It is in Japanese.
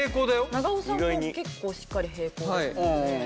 長尾さんも結構しっかり平行ですもんね。